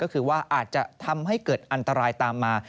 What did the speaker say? ก็คือว่าอาจจะทำให้เกิดอันตรายตามมา